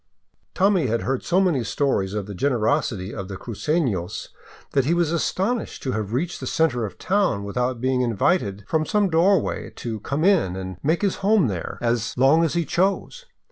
Tommy had heard so many stories of the generosity of the crucefios that he was astonished to have reached the center of town without be ing invited from some doorway to come in and make his home there as. 541 VAGABONDING DOWN THE ANDES long as he chose.